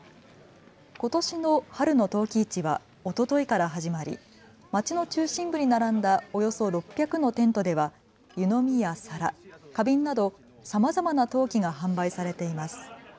ことしの春の陶器市はおとといから始まり町の中心部に並んだおよそ６００のテントでは湯飲みや皿、花瓶などさまざまな陶器が販売されています。